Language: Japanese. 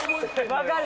分かる！